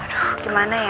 aduh gimana ya